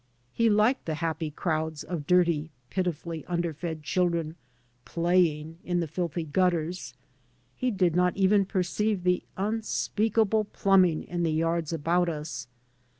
He liked the " happy crowds " of dirty, pitifully underfed children " play ing " in the filthy gutters; he did not even perceive the unspeakable plumbing in the yards about us.